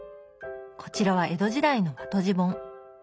こちらは江戸時代の和綴じ本。